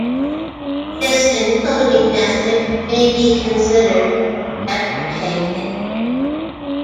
This encoding method may be considered deprecated.